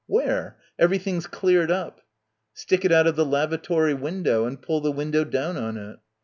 "Where? Everything's cleared up." "Stick it out of the lavatory window and pull the window down on it."